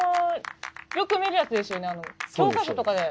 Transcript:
よく見るやつですよね？